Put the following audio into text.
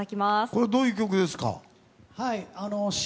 これはどういう曲ですか？